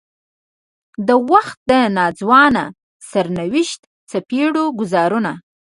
د وخت د ناځوانه سرنوشت څپېړو ګوزارونه.